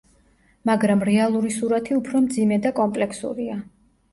მაგრამ რეალური სურათი უფრო მძიმე და კომპლექსურია.